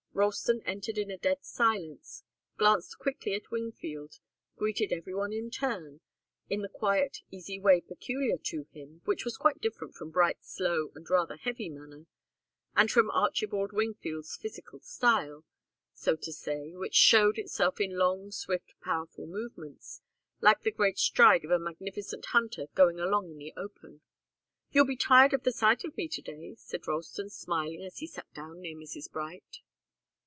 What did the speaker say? Ralston entered in a dead silence, glanced quickly at Wingfield, greeted every one in turn, in the quiet, easy way peculiar to him, which was quite different from Bright's slow and rather heavy manner, and from Archibald Wingfield's physical style, so to say, which showed itself in long, swift, powerful movements, like the great stride of a magnificent hunter going along in the open. "You'll be tired of the sight of me to day," said Ralston, smiling as he sat down near Mrs. Bright.